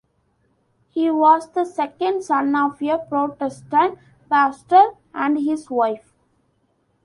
He was the second son of a Protestant pastor and his wife.